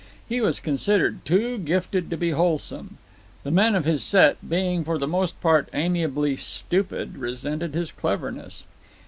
He was considered too gifted to be wholesome. The men of his set, being for the most part amiably stupid, resented his cleverness.